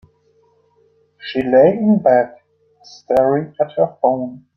She lay in bed, staring at her phone.